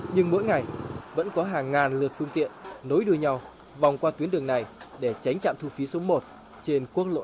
nhưng mỗi ngày vẫn có hàng ngàn lượt phương tiện nối đuôi nhau vòng qua tuyến đường này để tránh trạm thu phí số một trên quốc lộ một